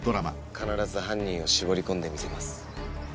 必ず犯人を絞り込んでみせます。